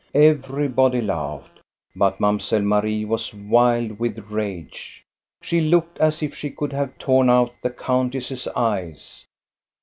Everybody laughed; but Mamselle Marie was wild with rage. She looked as if she could have torn out the countess's eyes.